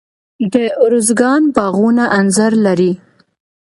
د ارزګان باغونه انځر لري.